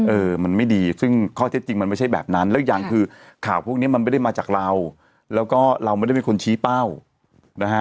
เออมันไม่ดีซึ่งข้อเท็จจริงมันไม่ใช่แบบนั้นแล้วอีกอย่างคือข่าวพวกนี้มันไม่ได้มาจากเราแล้วก็เราไม่ได้เป็นคนชี้เป้านะฮะ